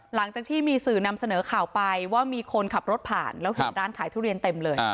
หลังจากที่มีสื่อนำเสนอข่าวไปว่ามีคนขับรถผ่านแล้วเห็นร้านขายทุเรียนเต็มเลย